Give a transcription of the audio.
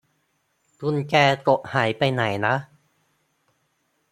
กุญแจตกหายไปไหนนะ